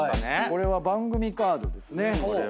これは番組カードですね。